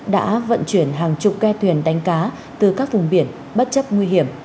đã vận chuyển hàng chục khe tuyển đánh cá từ các vùng biển bất chấp nguy hiểm